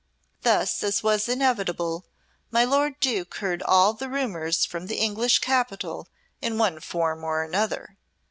Thus, as was inevitable, my lord Duke heard all the rumours from the English capital in one form or another.